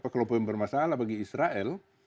kelompok yang bermasalah bagi israel